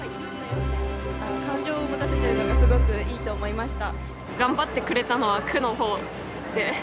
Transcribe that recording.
感情を持たせてるのがすごくいいと思いました。